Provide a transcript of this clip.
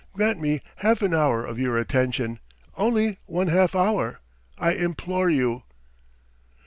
Grant me half an hour of your attention ... only one half hour ... I implore you!"